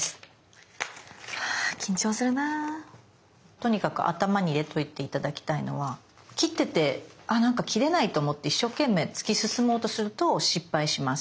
とにかく頭に入れといて頂きたいのは切っててあなんか切れないと思って一生懸命突き進もうとすると失敗します。